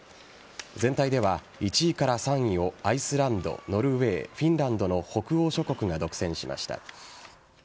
全体では１位から３位をアイスランドノルウェー、フィンランドの北欧諸国が独占しました。